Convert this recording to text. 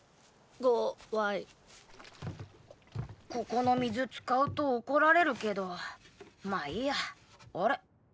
ここの水使うと怒られるけどまあいいやあれ？